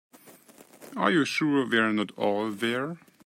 Are you sure they are not all there?